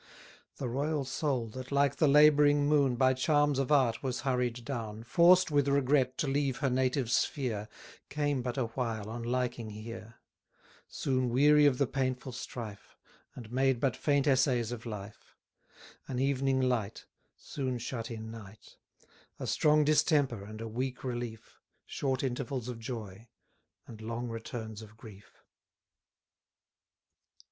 The royal soul, that, like the labouring moon, By charms of art was hurried down, Forced with regret to leave her native sphere, Came but awhile on liking here: Soon weary of the painful strife, And made but faint essays of life: An evening light Soon shut in night; A strong distemper, and a weak relief, Short intervals of joy, and long returns of grief.